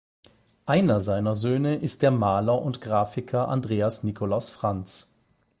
Einer seiner Söhne ist der Maler und Grafiker Andreas Nikolaus Franz.